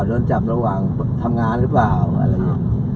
โดนจับระหว่างทำงานหรือเปล่าอะไรอย่างนี้